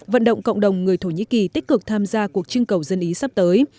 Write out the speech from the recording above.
vận động cộng đồng người thổ nhĩ kỳ tích cực tham gia cuộc trưng cầu dân ý sắp tới